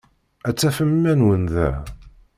Ad tafem iman-nwen da.